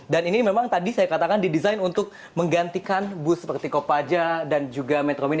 dan ini memang tadi saya katakan didesain untuk menggantikan bus seperti kopaja dan juga metromini